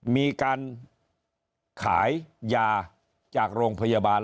มีการขายยาจากโรงพยาบาล